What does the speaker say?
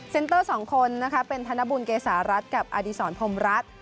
เตอร์๒คนนะคะเป็นธนบุญเกษารัฐกับอดีศรพรมรัฐ